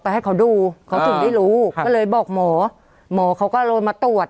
ให้เขาดูเขาถึงได้รู้ก็เลยบอกหมอหมอเขาก็โรยมาตรวจ